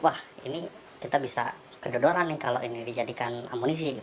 wah ini kita bisa kedodoran nih kalau ini dijadikan amunisi